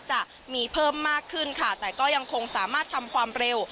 จะมีเพิ่มมากขึ้นค่ะแต่ก็ยังคงสามารถทำความเร็ว